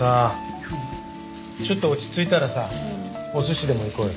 ちょっと落ち着いたらさお寿司でも行こうよ。